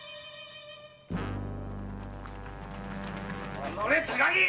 おのれ高木！